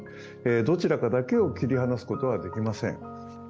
どちらかだけを切り離すことはできません。